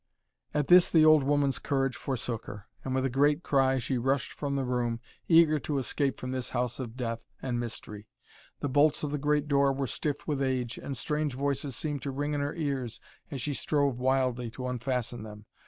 At this the old woman's courage forsook her, and with a great cry she rushed from the room, eager to escape from this house of death and mystery. The bolts of the great door were stiff with age, and strange voices seemed to ring in her ears as she strove wildly to unfasten them.